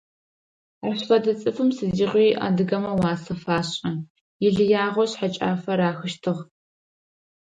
Ащ фэдэ цӀыфым сыдигъуи адыгэмэ уасэ фашӀы, илыягъэу шъхьэкӀафэ рахыщтыгь.